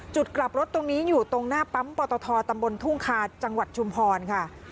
จุดกลับรถตรงนี้อยู่ตรงหน้าปั๊มปตทตำบลทุ่งคาจังหวัดชุมพรค่ะ